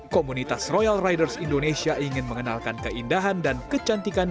komunitas royal riders indonesia ingin mengenalkan keindahan dan kecantikan